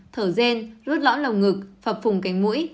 thở rên rút lõ lồng ngực phập phùng cánh mũi